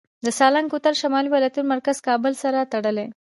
د سالنګ کوتل شمالي ولایتونه مرکز کابل سره تړي